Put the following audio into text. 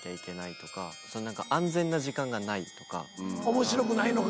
面白くないのか